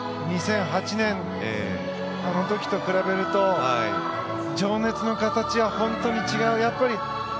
２００８年、あの時と比べると情熱の形が本当に違う。